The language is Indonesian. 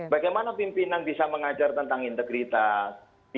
bagaimana pimpinan bisa mengajar tentang integritas